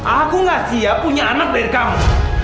aku gak siap punya anak dari kamu